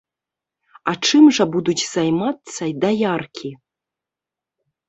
А чым жа будуць займацца даяркі?